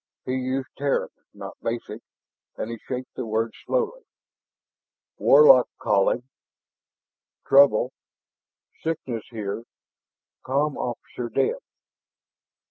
He used Terran, not basic, and he shaped the words slowly. "Warlock calling trouble sickness here com officer dead."